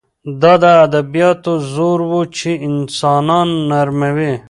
دا د ادبیاتو زور و چې انسان نرموي